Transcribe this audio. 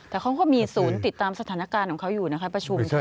แต่เขาก็มีศูนย์ติดตามสถานการณ์ของเขาอยู่นะคะประชุม